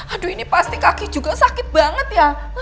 aduh ini pasti kaki juga sakit banget ya